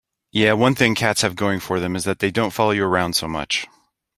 Yeah, one thing cats have going for them is that they don't follow you around so much.